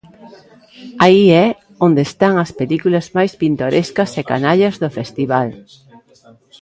Aí é onde están as películas máis pintorescas e canallas do festival.